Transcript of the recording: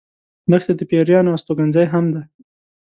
دښته د پېرانو استوګن ځای هم دی.